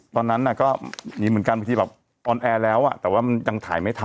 ตอนนั้นน่ะก็หนีเหมือนกันบางทีแบบออนแอร์แล้วแต่ว่ามันยังถ่ายไม่ทัน